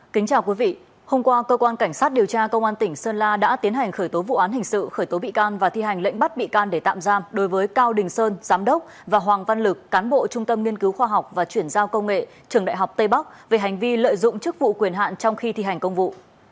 kính chào quý vị hôm qua cơ quan cảnh sát điều tra công an tỉnh sơn la đã tiến hành khởi tố vụ án hình sự khởi tố bị can và thi hành lệnh bắt bị can để tạm giam đối với cao đình sơn giám đốc và hoàng văn lực cán bộ trung tâm nghiên cứu khoa học và chuyển giao công nghệ trường đại học tây bắc về hành vi lợi dụng chức vụ quyền hạn trong khi thi hành công vụ